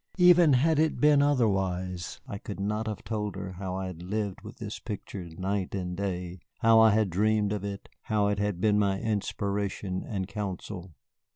Even had it been otherwise, I could not have told her how I had lived with this picture night and day, how I had dreamed of it, how it had been my inspiration and counsel.